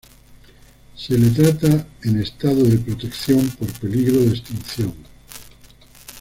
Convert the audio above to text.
Se la trata en estado de protección por peligro de extinción.